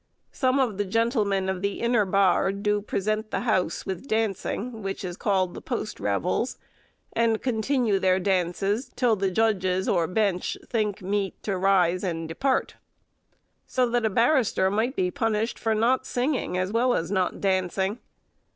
Some of the gentlemen of the inner barr do present the house with dancing, which is called the post revels, and continue their dances till the judges or bench think meet to rise and depart." So that a barrister might be punished for not singing, as well as not dancing.